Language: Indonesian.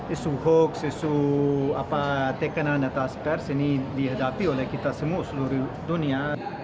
isu hoax isu tekanan atas pers ini dihadapi oleh kita semua seluruh dunia